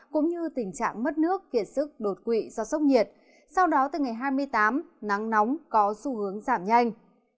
cũng như tình trạng mất nước kiệt sức đột quỵ do sốc nhiệt sau đó từ ngày hai mươi tám nắng nóng có xu hướng giảm nhanh